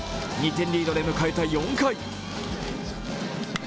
２点リードで迎えた４回。